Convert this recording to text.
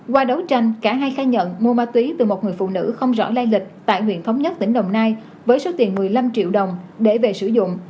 qua đấu tranh cả hai khai nhận mua ma túy từ một người phụ nữ không rõ lai lịch tại huyện thống nhất tỉnh đồng nai với số tiền một mươi năm triệu đồng để về sử dụng